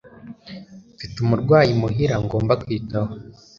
mfite umurwayi imuhira ngomba kwitaho